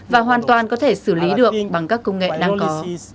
và hoàn toàn có thể xử lý được bằng các công nghệ đang có